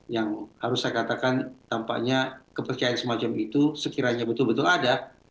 yang harus saya katakan tampaknya kepercayaan semacam itu sekiranya betul betul ada